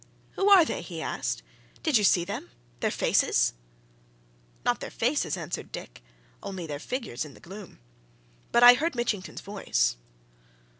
"Who are they?" he asked. "Did you see them their faces?" "Not their faces," answered Dick. "Only their figures in the gloom. But I heard Mitchington's voice."